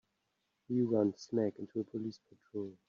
We run smack into a police patrol.